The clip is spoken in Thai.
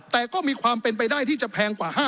แต่ก็มีความเป็นไปได้ที่จะแพงกว่า๕๐๐